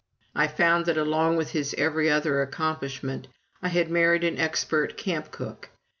I found that, along with his every other accomplishment, I had married an expert camp cook.